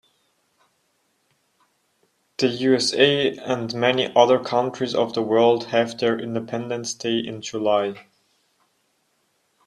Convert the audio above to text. The USA and many other countries of the world have their independence day in July.